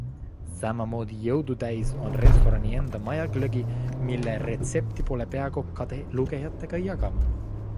Samamoodi jõudu täis on restorani enda majaglögi, mille retsepti pole peakokk kade lugejatega jagama.